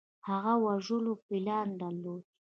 هغه د وژلو پلان یې درلود